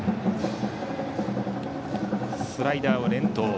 スライダーを連投。